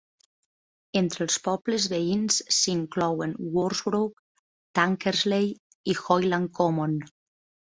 Entre els pobles veïns s'inclouen Worsbrough, Tankersley i Hoyland Common.